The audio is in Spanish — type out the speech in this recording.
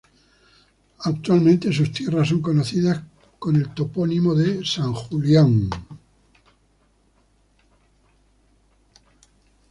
Actualmente sus tierras son conocidas con el topónimo de "San Julián".